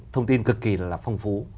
thông tin cực kỳ là phong phú